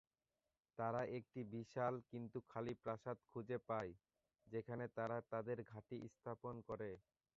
তারা একটা বিশাল কিন্তু খালি প্রাসাদ খুঁজে পায়, যেখানে তারা তাদের ঘাঁটি স্থাপন করে।